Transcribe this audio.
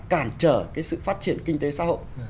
cản trở cái sự phát triển kinh tế xã hội